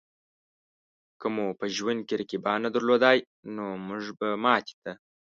که مو په ژوند کې رقیبان نه درلودای؛ نو مونږ به ماتې ته